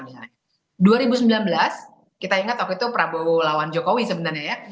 misalnya dua ribu sembilan belas kita ingat waktu itu prabowo lawan jokowi sebenarnya ya